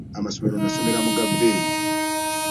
Amasomero nasomera mu ga bbeeyi.